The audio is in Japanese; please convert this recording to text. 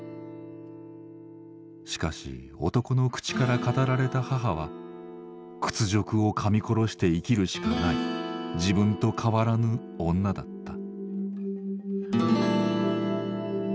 しかし男の口から語られた母は屈辱をかみ殺して生きるしかない自分と変わらぬ女だった。